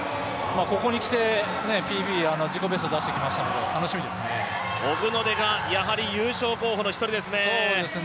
ここに来てＰＢ、自己ベスト出してきましたのでオグノデ選手、優勝候補の一人です。